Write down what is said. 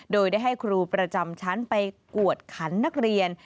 โดยได้ให้ครูประจำชั้นไปกวดขันนักเรียน